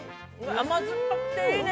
甘酸っぱくていいね。